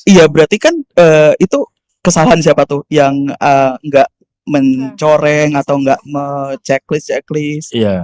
iya berarti kan itu kesalahan siapa tuh yang nggak mencoreng atau nggak checklist at least